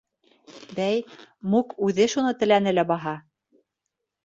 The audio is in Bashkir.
Бәй, Мук үҙе шуны теләне лә баһа!